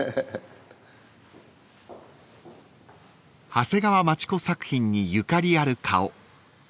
［長谷川町子作品にゆかりある顔］